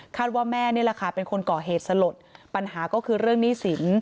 คาดว่าแม่เป็นคนเกาะเหตุสลดปัญหาก็คือเรื่องหนี้สิน